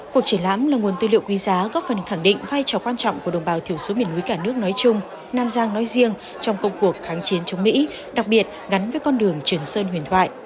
cuộc triển lãm là nguồn tư liệu quý giá góp phần khẳng định vai trò quan trọng của đồng bào thiểu số miền núi cả nước nói chung nam giang nói riêng trong công cuộc kháng chiến chống mỹ đặc biệt gắn với con đường trường sơn huyền thoại